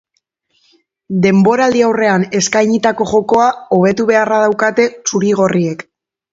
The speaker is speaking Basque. Denboraldiaurrean eskainitako jokoa hobetu beharra daukate zuri-gorriek.